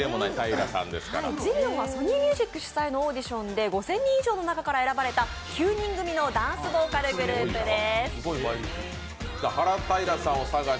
ソニーミュージック主催のオーディションで５０００人以上の中から選ばれた８人組のダンスボーカルグループです。